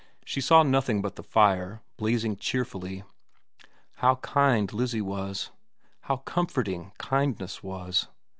She saw nothing but the fire, blazing cheerfully. How kind Lizzie was. How comforting kindness was.